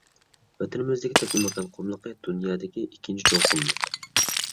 ۋەتىنىمىزدىكى تەكلىماكان قۇملۇقى — دۇنيادىكى ئىككىنچى چوڭ قۇملۇق.